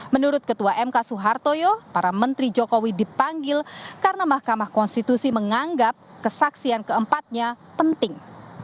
menurut ketua mk soehartoyo para menteri jokowi dipanggil karena mahkamah konstitusi menganggap kesaksian keempatnya penting